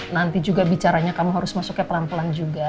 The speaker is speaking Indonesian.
nanti juga bicaranya kamu harus masuknya pelan pelan juga